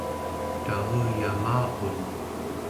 taruyamaarun